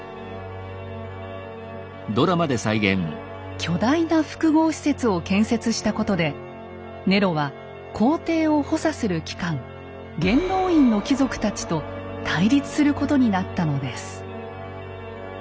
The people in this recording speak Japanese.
巨大な複合施設を建設したことでネロは皇帝を補佐する機関元老院の貴族たちと対立することになったのです。